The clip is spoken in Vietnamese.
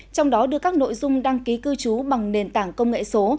trong đó đưa các nội dung đăng ký cư trú bằng nền tảng công nghệ số